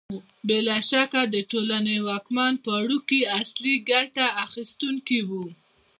بې له شکه د ټولنې واکمن پاړکي اصلي ګټه اخیستونکي وو